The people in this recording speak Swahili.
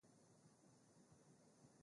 Alianguka kwenye ngazi